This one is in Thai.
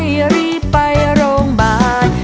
มีใครรีบไปโรงบาต